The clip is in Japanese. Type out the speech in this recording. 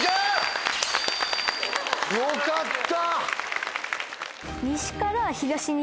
よかった！